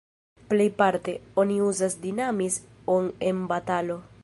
Plejparte, oni uzas "dinamis"-on en batalo.